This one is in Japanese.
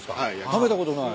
食べたことない。